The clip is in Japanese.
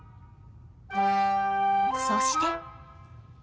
そして。